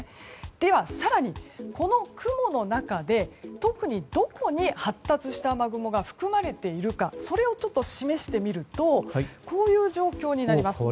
では、更にこの雲の中で特に、どこに発達した雨雲が含まれているかそれを示してみるとこういう状況になります。